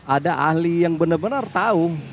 ada ahli yang benar benar tahu